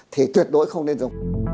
thì tuyệt đối không dùng